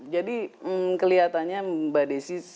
jadi kelihatannya mbak desy